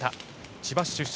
千葉市出身